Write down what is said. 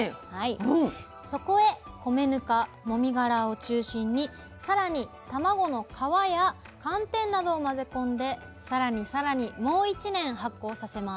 そこへ米ぬかもみがらを中心にさらに卵の皮や寒天などを混ぜ込んでさらにさらにもう１年発酵させます。